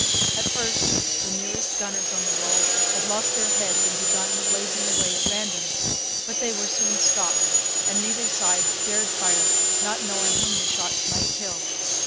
At first the nearest gunners on the walls had lost their heads and begun blazing away at random. But they were soon stopped; and neither side dared fire, not knowing whom the shots might kill.